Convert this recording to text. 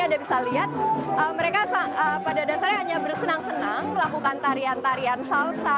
anda bisa lihat mereka pada dasarnya hanya bersenang senang melakukan tarian tarian salsa